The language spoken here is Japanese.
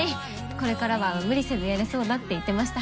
これからは無理せずやれそうだって言ってました。